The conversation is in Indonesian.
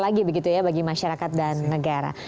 lebih besar lagi begitu ya bagi masyarakat dan negara